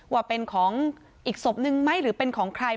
ว่าเป็นของอีกศพนึงไหมหรือเป็นของใคร